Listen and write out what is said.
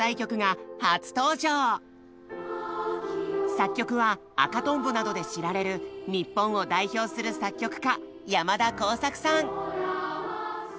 作曲は「赤とんぼ」などで知られる日本を代表する作曲家山田耕筰さん。